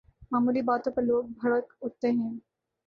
معمولی باتوں پر لوگ بھڑک اٹھتے ہیں۔